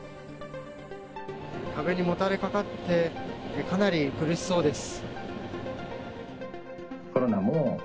壁にもたれかかってかなり苦しそうです。